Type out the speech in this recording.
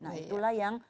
nah itulah yang